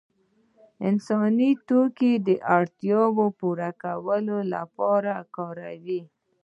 انسان توکي د اړتیاوو پوره کولو لپاره کاروي.